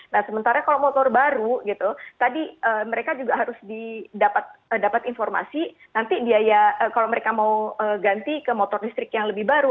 nah sementara kalau motor baru gitu tadi mereka juga harus dapat informasi nanti biaya kalau mereka mau ganti ke motor listrik yang lebih baru